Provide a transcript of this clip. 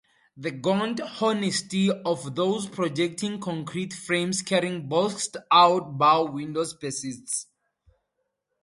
The gaunt honesty of those projecting concrete frames carrying boxed-out bow windows persists.